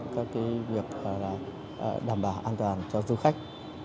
các việc đảm bảo an toàn cho du khách